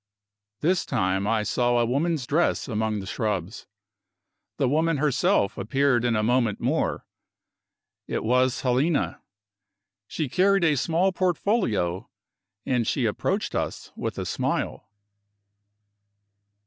This time I saw a woman's dress among the shrubs. The woman herself appeared in a moment more. It was Helena. She carried a small portfolio, and she approached us with a smile.